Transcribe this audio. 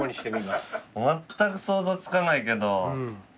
まったく想像つかないけど。